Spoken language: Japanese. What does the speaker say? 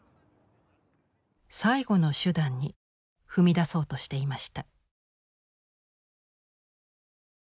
最後の手段に踏み出そうとしていました。